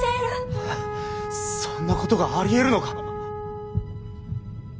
そんなことがありえるのか？